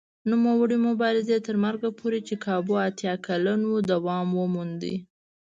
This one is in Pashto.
نوموړي مبارزې تر مرګه پورې چې کابو اتیا کلن و دوام وموند.